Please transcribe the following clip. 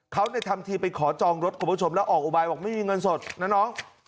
เขาทำทีไปขอจองรถคุณผู้ชมแล้วออกอุบายบอกไม่มีเงินสดนะน้อง